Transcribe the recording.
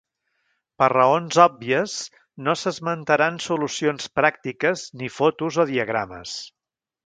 Per raons òbvies no s'esmentaran solucions pràctiques ni fotos o diagrames.